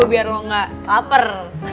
biar lu gak lapar